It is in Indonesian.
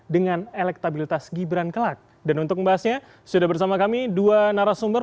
dengan elektabilitas gibran kelak dan untuk membahasnya sudah bersama kami dua narasumber